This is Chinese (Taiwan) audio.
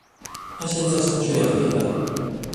他現在上去兩年了